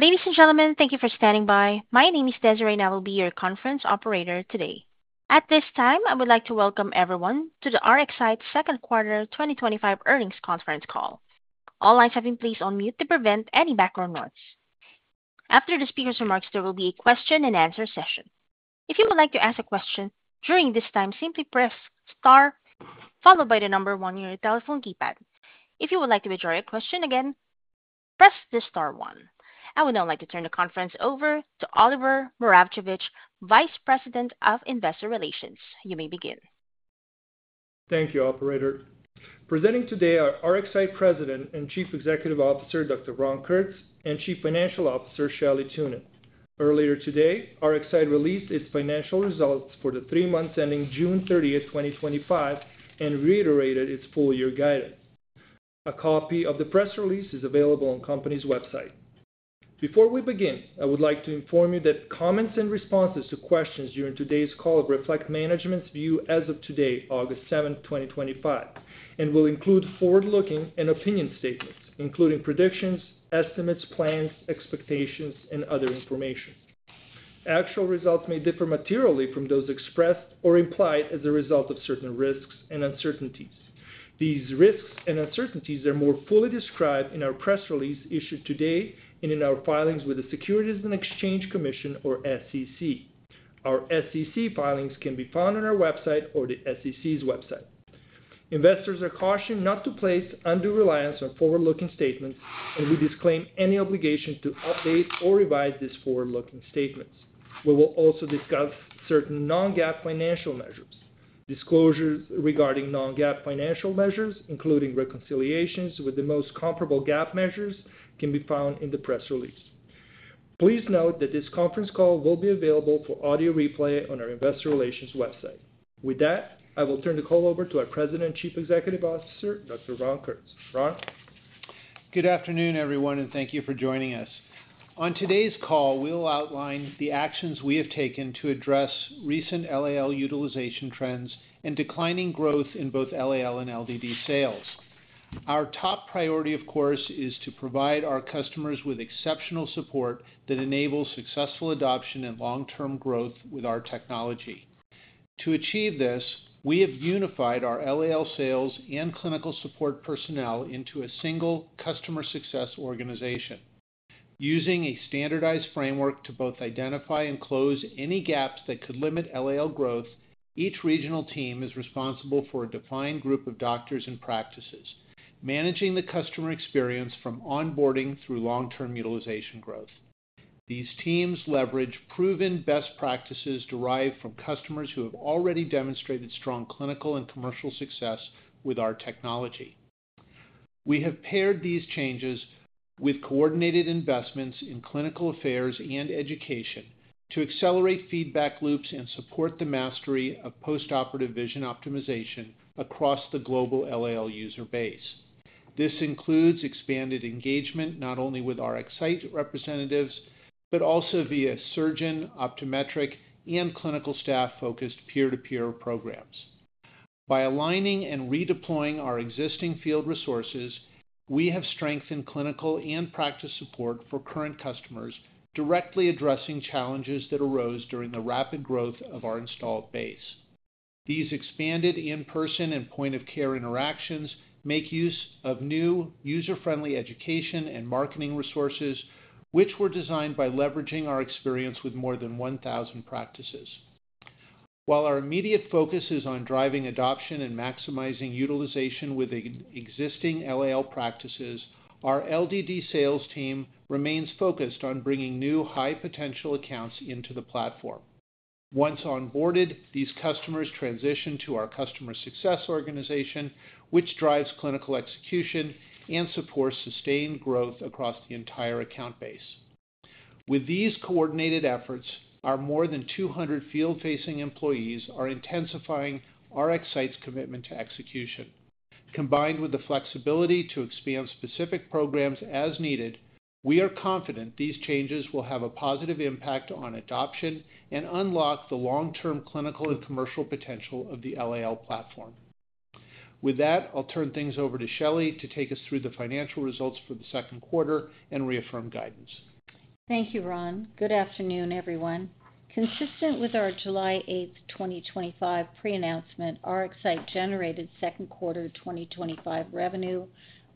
Ladies and gentlemen, thank you for standing by. My name is Desiree, and I will be your conference operator today. At this time, I would like to welcome everyone to the RxSight Second Quarter 2025 Earnings Conference Call. All lines have been placed on mute to prevent any background noise. After the speaker's remarks, there will be a question and answer session. If you would like to ask a question during this time, simply press star, followed by the number one on your telephone keypad. If you would like to withdraw your question, again, press the star one. I would now like to turn the conference over to Oliver Moravcevic, Vice President of Investor Relations. You may begin. Thank you, Operator. Presenting today are RxSight President and Chief Executive Officer, Dr. Ron Kurtz, and Chief Financial Officer, Shelley Thunen. Earlier today, RxSight released its financial results for the three months ending June 30, 2025, and reiterated its full-year guidance. A copy of the press release is available on the company's website. Before we begin, I would like to inform you that comments and responses to questions during today's call reflect management's view as of today, August 7, 2025, and will include forward-looking and opinion statements, including predictions, estimates, plans, expectations, and other information. Actual results may differ materially from those expressed or implied as a result of certain risks and uncertainties. These risks and uncertainties are more fully described in our press release issued today and in our filings with the Securities and Exchange Commission, or SEC. Our SEC filings can be found on our website or the SEC's website. Investors are cautioned not to place undue reliance on forward-looking statements, and we disclaim any obligation to update or revise these forward-looking statements. We will also discuss certain non-GAAP financial measures. Disclosures regarding non-GAAP financial measures, including reconciliations with the most comparable GAAP measures, can be found in the press release. Please note that this conference call will be available for audio replay on our Investor Relations website. With that, I will turn the call over to our President and Chief Executive Officer, Dr. Ron Kurtz. Ron. Good afternoon, everyone, and thank you for joining us. On today's call, we'll outline the actions we have taken to address recent LAL utilization trends and declining growth in both LAL and LDD sales. Our top priority, of course, is to provide our customers with exceptional support that enables successful adoption and long-term growth with our technology. To achieve this, we have unified our LAL sales and clinical support personnel into a single customer success organization. Using a standardized framework to both identify and close any gaps that could limit LAL growth, each regional team is responsible for a defined group of doctors and practices, managing the customer experience from onboarding through long-term utilization growth. These teams leverage proven best practices derived from customers who have already demonstrated strong clinical and commercial success with our technology. We have paired these changes with coordinated investments in clinical affairs and education to accelerate feedback loops and support the mastery of postoperative vision optimization across the global LAL user base. This includes expanded engagement not only with our RxSight representatives, but also via surgeon, optometric, and clinical staff-focused peer-to-peer programs. By aligning and redeploying our existing field resources, we have strengthened clinical and practice support for current customers, directly addressing challenges that arose during the rapid growth of our installed base. These expanded in-person and point-of-care interactions make use of new user-friendly education and marketing resources, which were designed by leveraging our experience with more than 1,000 practices. While our immediate focus is on driving adoption and maximizing utilization with existing LAL practices, our LDD sales team remains focused on bringing new high-potential accounts into the platform. Once onboarded, these customers transition to our customer success organization, which drives clinical execution and supports sustained growth across the entire account base. With these coordinated efforts, our more than 200 field-facing employees are intensifying RxSight's commitment to execution. Combined with the flexibility to expand specific programs as needed, we are confident these changes will have a positive impact on adoption and unlock the long-term clinical and commercial potential of the LAL platform. With that, I'll turn things over to Shelley to take us through the financial results for the second quarter and reaffirm guidance. Thank you, Ron. Good afternoon, everyone. Consistent with our July 8, 2025, pre-announcement, RxSight generated second quarter 2025 revenue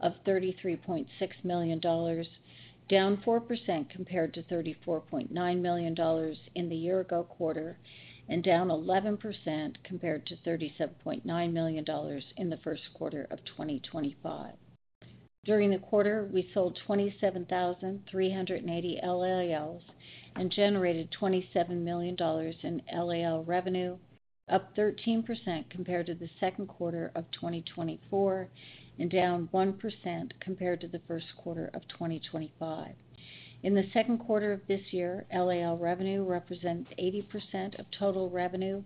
of $33.6 million, down 4% compared to $34.9 million in the year-ago quarter, and down 11% compared to $37.9 million in the first quarter of 2025. During the quarter, we sold 27,380 LALs and generated $27 million in LAL revenue, up 13% compared to the second quarter of 2024 and down 1% compared to the first quarter of 2025. In the second quarter of this year, LAL revenue represented 80% of total revenue,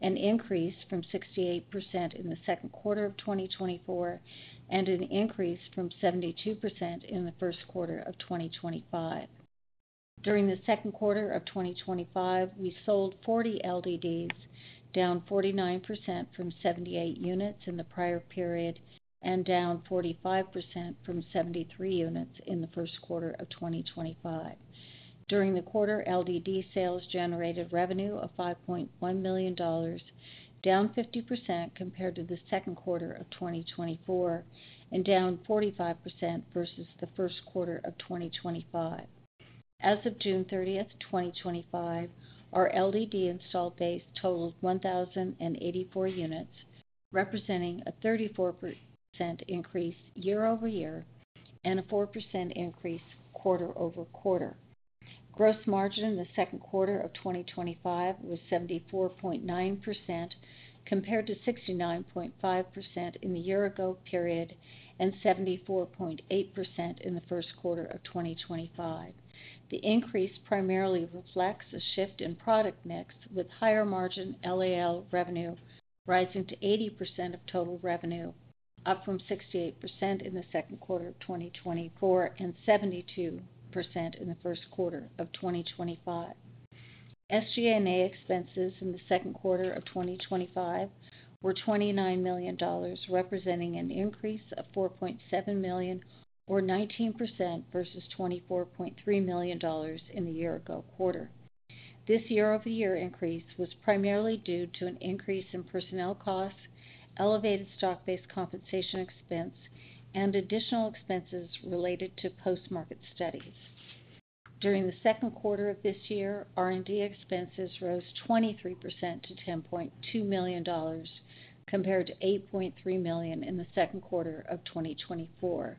an increase from 68% in the second quarter of 2024 and an increase from 72% in the first quarter of 2025. During the second quarter of 2025, we sold 40 LDDs, down 49% from 78 units in the prior period and down 45% from 73 units in the first quarter of 2025. During the quarter, LDD sales generated revenue of $5.1 million, down 50% compared to the second quarter of 2024 and down 45% versus the first quarter of 2025. As of June 30, 2025, our LDD installed base totaled 1,084 units, representing a 34% increase year-over-year and a 4% increase quarter-over-quarter. Gross margin in the second quarter of 2025 was 74.9% compared to 69.5% in the year-ago period and 74.8% in the first quarter of 2025. The increase primarily reflects a shift in product mix with higher margin LAL revenue rising to 80% of total revenue, up from 68% in the second quarter of 2024 and 72% in the first quarter of 2025. SG&A expenses in the second quarter of 2025 were $29 million, representing an increase of $4.7 million or 19% versus $24.3 million in the year-ago quarter. This year-over-year increase was primarily due to an increase in personnel costs, elevated stock-based compensation expense, and additional expenses related to post-market studies. During the second quarter of this year, R&D expenses rose 23% to $10.2 million compared to $8.3 million in the second quarter of 2024.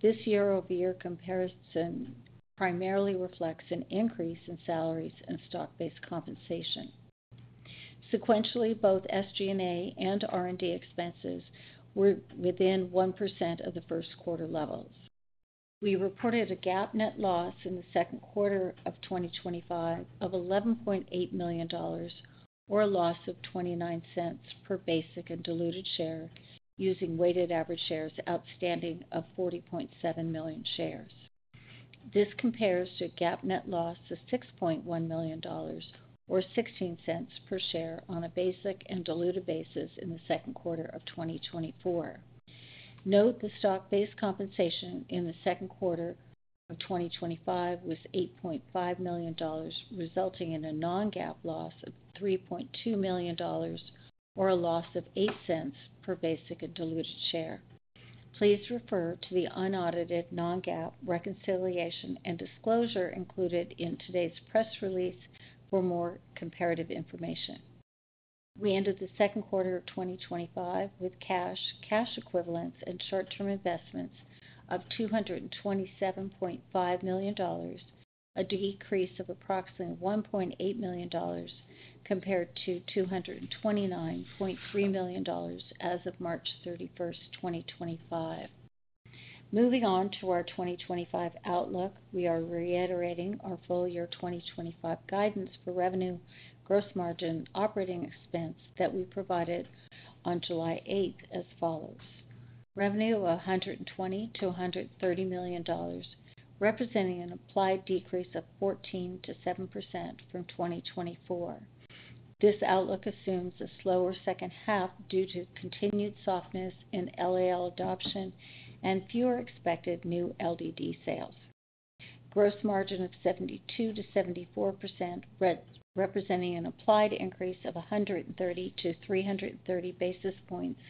This year-over-year comparison primarily reflects an increase in salaries and stock-based compensation. Sequentially, both SG&A and R&D expenses were within 1% of the first quarter levels. We reported a GAAP net loss in the second quarter of 2025 of $11.8 million, or a loss of $0.29 per basic and diluted share, using weighted average shares outstanding of 40.7 million shares. This compares to a GAAP net loss of $6.1 million, or $0.16 per share on a basic and diluted basis in the second quarter of 2024. Note, the stock-based compensation in the second quarter of 2025 was $8.5 million, resulting in a non-GAAP loss of $3.2 million, or a loss of $0.08 per basic and diluted share. Please refer to the unaudited non-GAAP reconciliation and disclosure included in today's press release for more comparative information. We ended the second quarter of 2025 with cash, cash equivalents, and short-term investments of $227.5 million, a decrease of approximately $1.8 million compared to $229.3 million as of March 31, 2025. Moving on to our 2025 outlook, we are reiterating our full-year 2025 guidance for revenue, gross margin, and operating expense that we provided on July 8 as follows: revenue of $120 million-$130 million, representing an applied decrease of 14% to 7% from 2024. This outlook assumes a slower second half due to continued softness in LAL adoption and fewer expected new LDD sales. Gross margin of 72%-74%, representing an applied increase of 130 basis points-330 basis points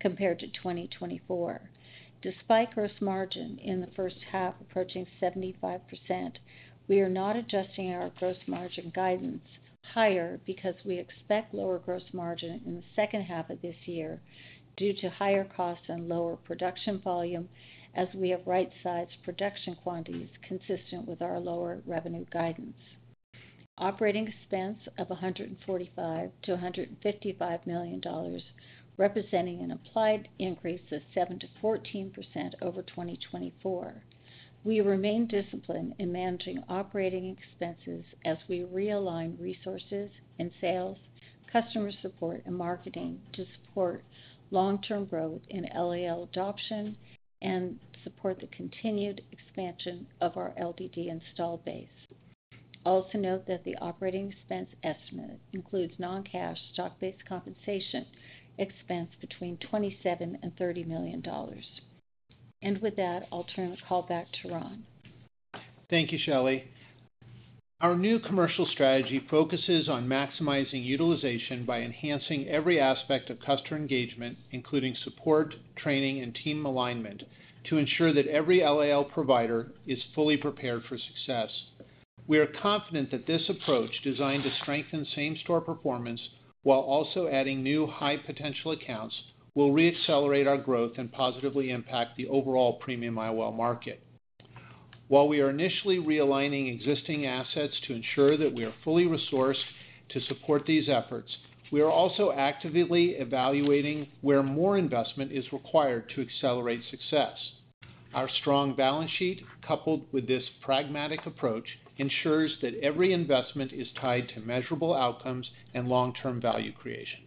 compared to 2024. Despite gross margin in the first half approaching 75%, we are not adjusting our gross margin guidance higher because we expect lower gross margin in the second half of this year due to higher costs and lower production volume as we have right-sized production quantities consistent with our lower revenue guidance. Operating expense of $145 million-$155 million, representing an applied increase of 7% to 14% over 2024. We remain disciplined in managing operating expenses as we realign resources and sales, customer support, and marketing to support long-term growth in LAL adoption and support the continued expansion of our LDD install base. Also note that the operating expense estimate includes non-cash stock-based compensation expense between $27 million and $30 million. With that, I'll turn the call back to Ron. Thank you, Shelley. Our new commercial strategy focuses on maximizing utilization by enhancing every aspect of customer engagement, including support, training, and team alignment, to ensure that every LAL provider is fully prepared for success. We are confident that this approach, designed to strengthen same-store performance while also adding new high-potential accounts, will re-accelerate our growth and positively impact the overall premium IOL market. While we are initially realigning existing assets to ensure that we are fully resourced to support these efforts, we are also actively evaluating where more investment is required to accelerate success. Our strong balance sheet, coupled with this pragmatic approach, ensures that every investment is tied to measurable outcomes and long-term value creation.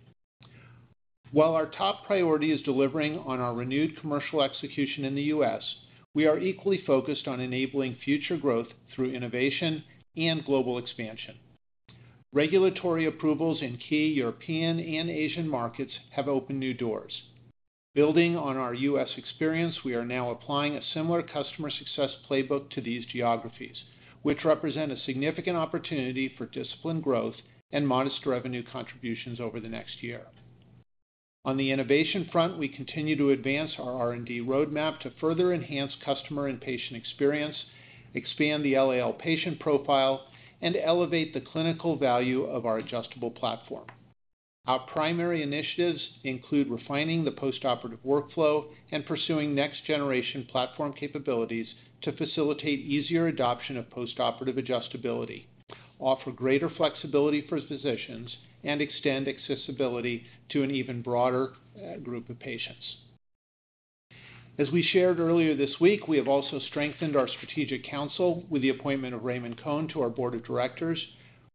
While our top priority is delivering on our renewed commercial execution in the U.S., we are equally focused on enabling future growth through innovation and global expansion. Regulatory approvals in key European and Asian markets have opened new doors. Building on our U.S. experience, we are now applying a similar customer success playbook to these geographies, which represent a significant opportunity for disciplined growth and modest revenue contributions over the next year. On the innovation front, we continue to advance our R&D roadmap to further enhance customer and patient experience, expand the LAL patient profile, and elevate the clinical value of our adjustable platform. Our primary initiatives include refining the postoperative workflow and pursuing next-generation platform capabilities to facilitate easier adoption of postoperative adjustability, offer greater flexibility for physicians, and extend accessibility to an even broader group of patients. As we shared earlier this week, we have also strengthened our strategic counsel with the appointment of Raymond Cohen to our board of directors.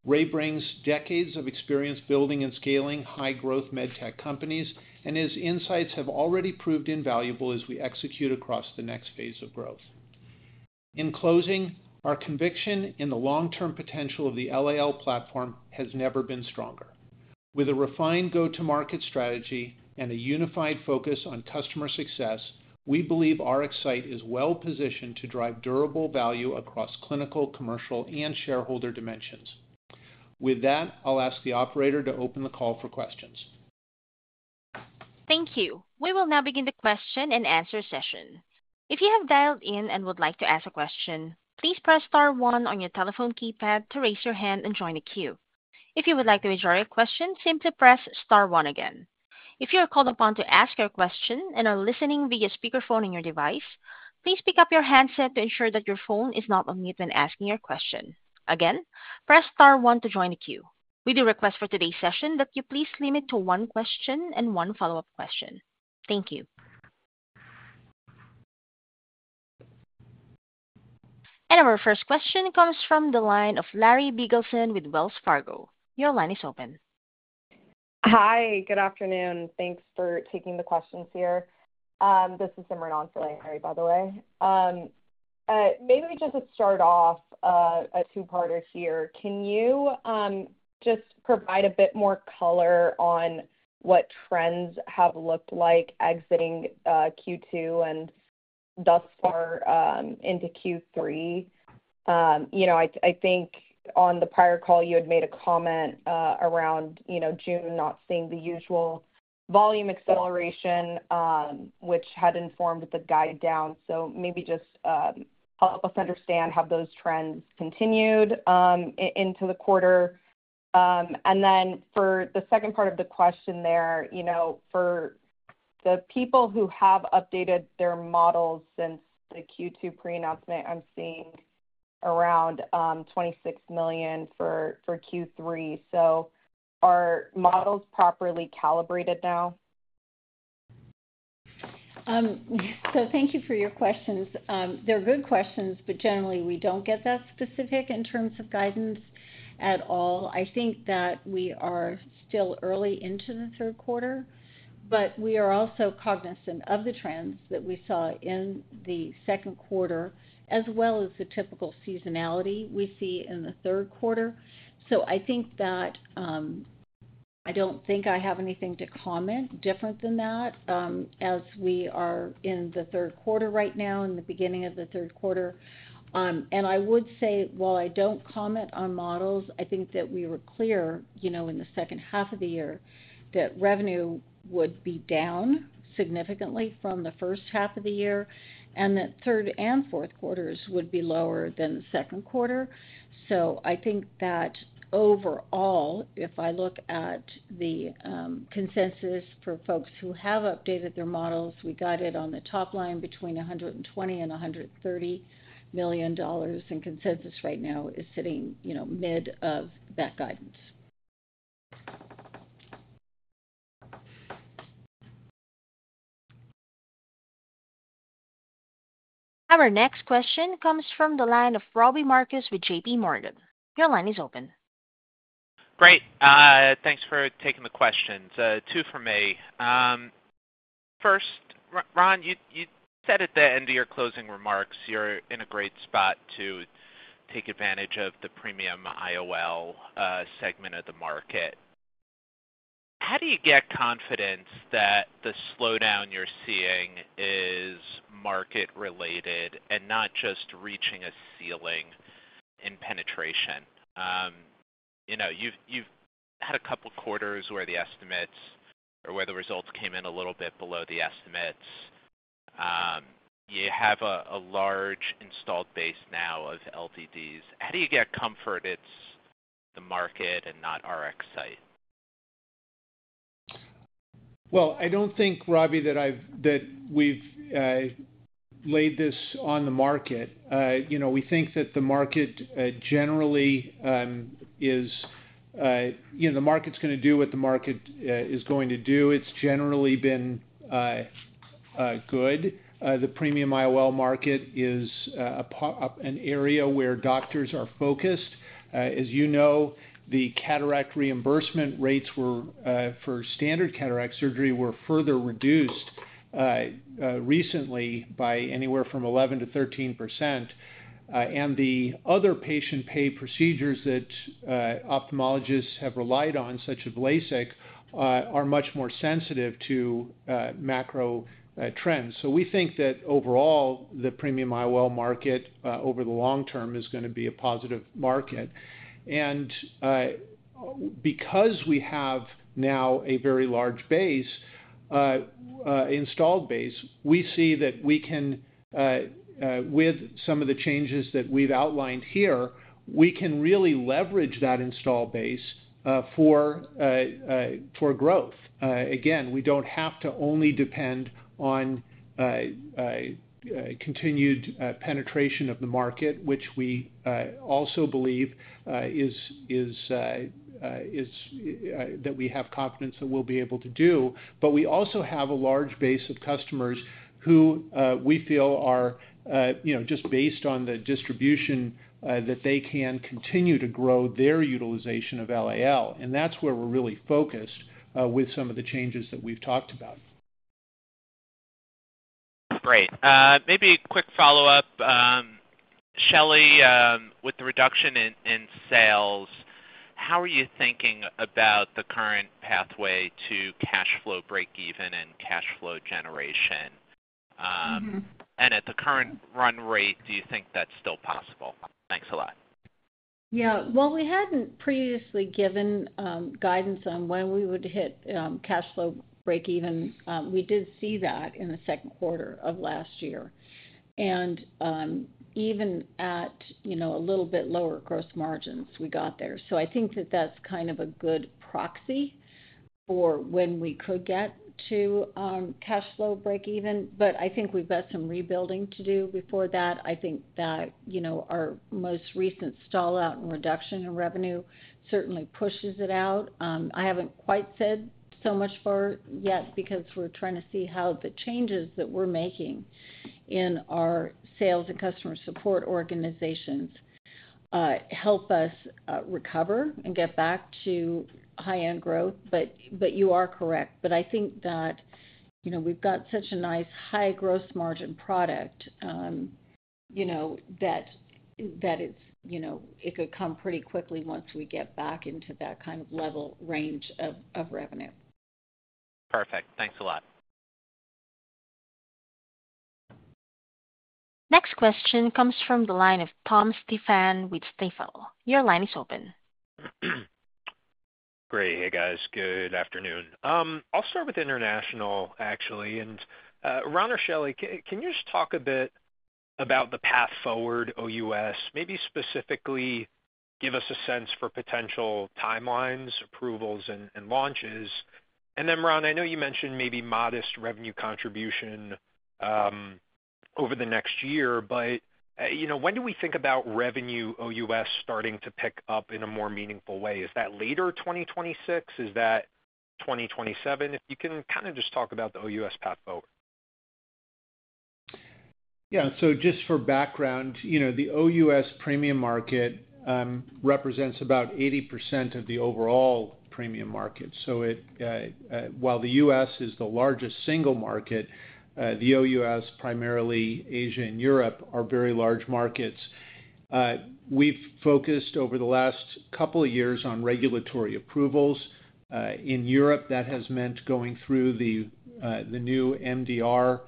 Ray brings decades of experience building and scaling high-growth medtech companies, and his insights have already proved invaluable as we execute across the next phase of growth. In closing, our conviction in the long-term potential of the LAL platform has never been stronger. With a refined go-to-market strategy and a unified focus on customer success, we believe RxSight is well-positioned to drive durable value across clinical, commercial, and shareholder dimensions. With that, I'll ask the operator to open the call for questions. Thank you. We will now begin the question and answer session. If you have dialed in and would like to ask a question, please press star one on your telephone keypad to raise your hand and join the queue. If you would like to withdraw your question, simply press star one again. If you are called upon to ask your question and are listening via speakerphone on your device, please pick up your handset to ensure that your phone is not on mute when asking your question. Again, press star one to join the queue. We do request for today's session that you please limit to one question and one follow-up question. Thank you. Our first question comes from the line of Larry Biegelsen with Wells Fargo. Your line is open. Hi. Good afternoon. Thanks for taking the questions here. This is [Simran] answering, Larry, by the way. Maybe we just start off, a two-parter here. Can you just provide a bit more color on what trends have looked like exiting Q2 and thus far into Q3? I think on the prior call, you had made a comment around, you know, June not seeing the usual volume acceleration, which had informed the guide down. Maybe just help us understand how those trends continued into the quarter. For the second part of the question, for the people who have updated their models since the Q2 pre-announcement, I'm seeing around $26 million for Q3. Are models properly calibrated now? Thank you for your questions. They're good questions, but generally, we don't get that specific in terms of guidance at all. I think that we are still early into the third quarter, but we are also cognizant of the trends that we saw in the second quarter, as well as the typical seasonality we see in the third quarter. I don't think I have anything to comment different than that, as we are in the third quarter right now, in the beginning of the third quarter. I would say, while I don't comment on models, I think that we were clear, you know, in the second half of the year that revenue would be down significantly from the first half of the year and that third and fourth quarters would be lower than the second quarter. I think that overall, if I look at the consensus for folks who have updated their models, we got it on the top line between $120 million and $130 million, and consensus right now is sitting, you know, mid of that guidance. Our next question comes from the line of Robbie Marcus with JPMorgan. Your line is open. Great. Thanks for taking the questions. Two from me. First, Ron, you said at the end of your closing remarks, you're in a great spot to take advantage of the premium IOL segment of the market. How do you get confidence that the slowdown you're seeing is market-related and not just reaching a ceiling in penetration? You've had a couple of quarters where the results came in a little bit below the estimates. You have a large installed base now of LDDs. How do you get comfort it's the market and not RxSight? I don't think, Robbie, that we've laid this on the market. You know, we think that the market generally is, you know, the market's going to do what the market is going to do. It's generally been good. The premium IOL market is an area where doctors are focused. As you know, the cataract reimbursement rates for standard cataract surgery were further reduced recently by anywhere from 11%-13%. The other patient-pay procedures that ophthalmologists have relied on, such as LASIK, are much more sensitive to macro trends. We think that overall, the premium IOL market over the long term is going to be a positive market. Because we have now a very large base, installed base, we see that we can, with some of the changes that we've outlined here, really leverage that installed base for growth. We don't have to only depend on continued penetration of the market, which we also believe is that we have confidence that we'll be able to do. We also have a large base of customers who we feel are, you know, just based on the distribution that they can continue to grow their utilization of LAL. That's where we're really focused with some of the changes that we've talked about. Great. Maybe a quick follow-up. Shelley, with the reduction in sales, how are you thinking about the current pathway to cash flow breakeven and cash flow generation? At the current run rate, do you think that's still possible? Thanks a lot. Yeah. We hadn't previously given guidance on when we would hit cash flow breakeven. We did see that in the second quarter of last year, and even at a little bit lower gross margins, we got there. I think that that's kind of a good proxy for when we could get to cash flow breakeven. I think we've got some rebuilding to do before that. Our most recent stall-out and reduction in revenue certainly pushes it out. I haven't quite said so much for yet because we're trying to see how the changes that we're making in our sales and customer support organizations help us recover and get back to high-end growth. You are correct. I think that we've got such a nice high gross margin product that it could come pretty quickly once we get back into that kind of level range of revenue. Perfect. Thanks a lot. Next question comes from the line of Tom Stephan with Stifel. Your line is open. Great. Hey, guys. Good afternoon. I'll start with international, actually. Ron or Shelley, can you just talk a bit about the path forward OUS, maybe specifically give us a sense for potential timelines, approvals, and launches? Ron, I know you mentioned maybe modest revenue contribution over the next year, but you know, when do we think about revenue OUS starting to pick up in a more meaningful way? Is that later 2026? Is that 2027? If you can kind of just talk about the OUS path forward. Yeah. Just for background, you know, the OUS premium market represents about 80% of the overall premium market. While the U.S. is the largest single market, the OUS, primarily Asia and Europe, are very large markets. We've focused over the last couple of years on regulatory approvals in Europe. That has meant going through the new MDR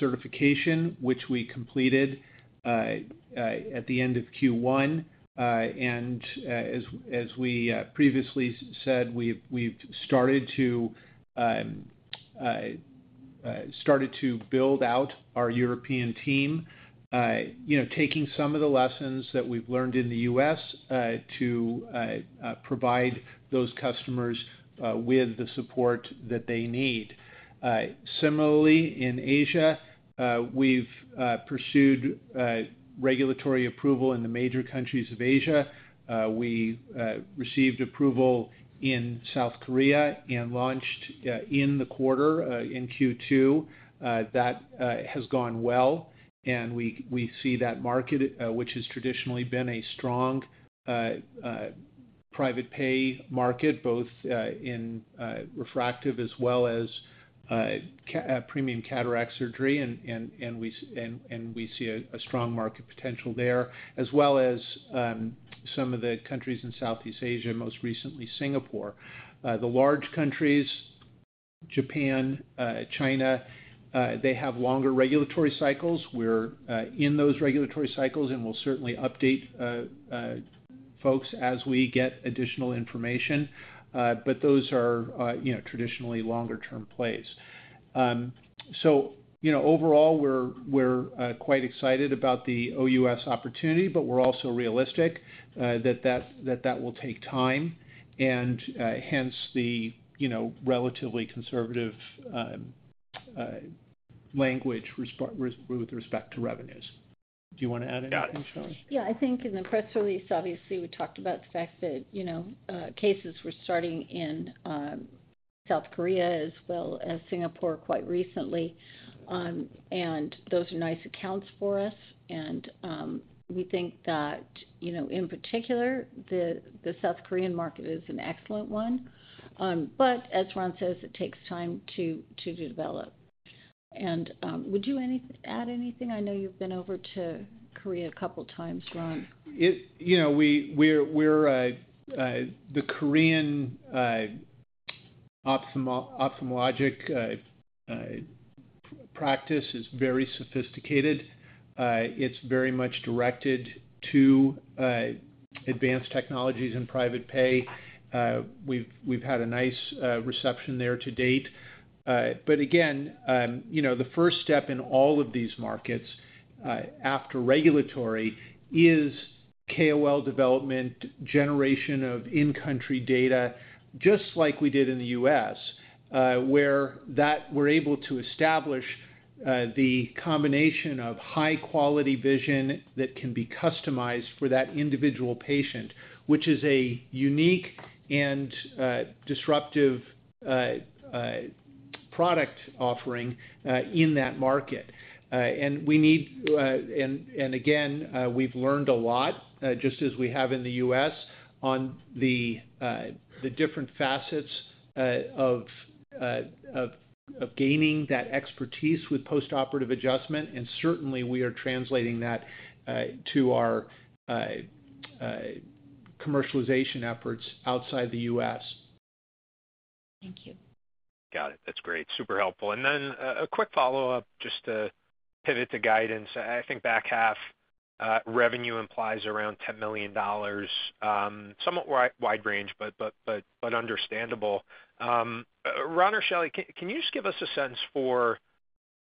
certification, which we completed at the end of Q1. As we previously said, we've started to build out our European team, you know, taking some of the lessons that we've learned in the U.S. to provide those customers with the support that they need. Similarly, in Asia, we've pursued regulatory approval in the major countries of Asia. We received approval in South Korea and launched in the quarter in Q2. That has gone well, and we see that market, which has traditionally been a strong private pay market, both in refractive as well as premium cataract surgery, and we see a strong market potential there, as well as some of the countries in Southeast Asia, most recently Singapore. The large countries, Japan, China, they have longer regulatory cycles. We're in those regulatory cycles, and we'll certainly update folks as we get additional information. Those are, you know, traditionally longer-term plays. Overall, we're quite excited about the OUS opportunity, but we're also realistic that that will take time, and hence the, you know, relatively conservative language with respect to revenues. Do you want to add anything, Shelley? Yeah. I think in the press release, obviously, we talked about the fact that cases were starting in South Korea, as well as Singapore, quite recently. Those are nice accounts for us, and we think that, in particular, the South Korean market is an excellent one. As Ron says, it takes time to develop. Would you add anything? I know you've been over to Korea a couple of times, Ron. You know, the Korean ophthalmologic practice is very sophisticated. It's very much directed to advanced technologies and private pay. We've had a nice reception there to date. The first step in all of these markets after regulatory is KOL development, generation of in-country data, just like we did in the U.S., where we're able to establish the combination of high-quality vision that can be customized for that individual patient, which is a unique and disruptive product offering in that market. We need, and again, we've learned a lot, just as we have in the U.S., on the different facets of gaining that expertise with postoperative adjustment. Certainly, we are translating that to our commercialization efforts outside the U.S. Thank you. Got it. That's great. Super helpful. A quick follow-up, just to pivot to the guidance. I think back half revenue implies around $10 million, somewhat wide range, but understandable. Ron or Shelley, can you just give us a sense for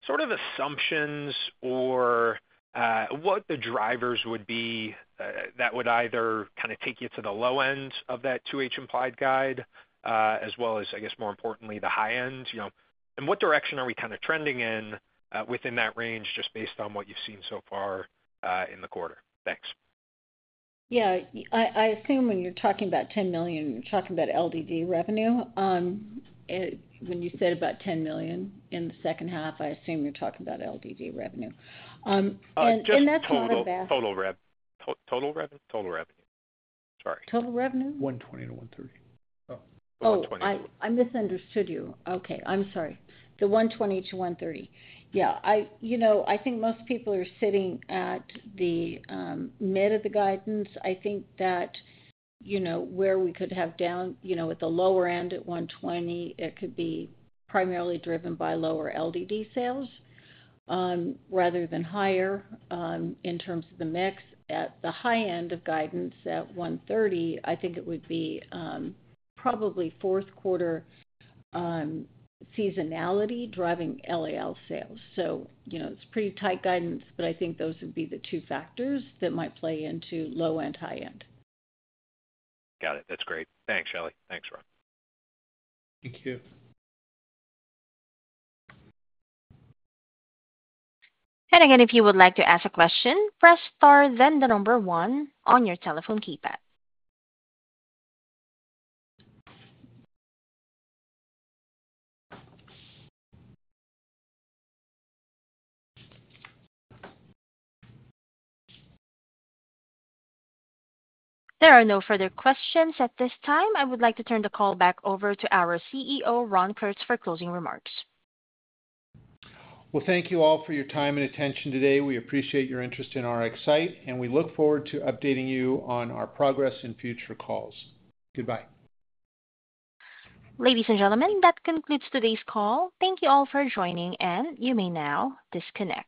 sort of assumptions or what the drivers would be that would either kind of take you to the low end of that 2H implied guide, as well as, I guess, more importantly, the high end? You know, and what direction are we kind of trending in within that range, just based on what you've seen so far in the quarter? Thanks. Yeah. I assume when you're talking about $10 million, you're talking about LDD revenue. When you said about $10 million in the second half, I assume you're talking about LDD revenue. That's even back. Total revenue. Total revenue. Sorry. Total revenue? $120 million-$130 million. Oh, I misunderstood you. Okay. I'm sorry. The $120 million-$130 million, yeah. I think most people are sitting at the mid of the guidance. I think that where we could have down at the lower end at $120 million, it could be primarily driven by lower LDD sales rather than higher in terms of the mix. At the high end of guidance at $130 million, I think it would be probably fourth quarter seasonality driving LAL sales. It's pretty tight guidance, but I think those would be the two factors that might play into low and high end. Got it. That's great. Thanks, Shelley. Thanks, Ron. Thank you. If you would like to ask a question, press star then the number one on your telephone keypad. There are no further questions at this time. I would like to turn the call back over to our CEO, Ron Kurtz, for closing remarks. Thank you all for your time and attention today. We appreciate your interest in RxSight, and we look forward to updating you on our progress in future calls. Goodbye. Ladies and gentlemen, that concludes today's call. Thank you all for joining, and you may now disconnect.